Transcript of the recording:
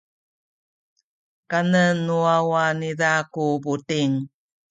kanen nu wawa niza ku buting.